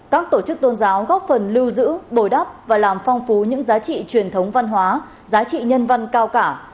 các tổ chức tôn giáo góp phần lưu giữ bồi đắp và làm phong phú những giá trị truyền thống văn hóa giá trị nhân văn cao cả